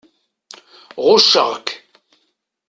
Ɣucceɣ-k.